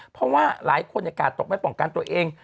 เพราะว่าหลายคนกาดตกไม่ป้องกันตัวเอง